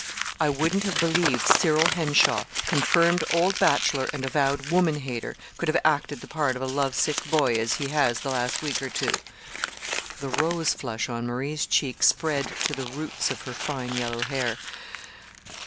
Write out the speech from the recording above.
I wouldn't have believed Cyril Henshaw, confirmed old bachelor and avowed woman hater, could have acted the part of a love sick boy as he has the last week or two." The rose flush on Marie's cheek spread to the roots of her fine yellow hair.